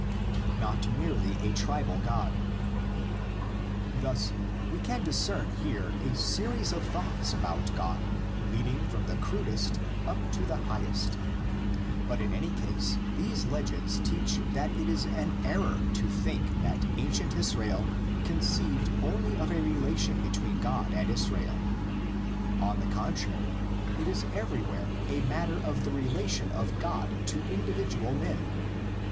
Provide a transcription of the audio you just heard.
NOT MERELY A TRIBAL GOD. Thus we can discern here a series of thoughts about God leading from the crudest up to the high est. But in any case these legends teach that it is an error to think that ancient Israel conceived only of a relation between God and Israel; on the con trary, it is everywhere a matter of the relation of God to individual men.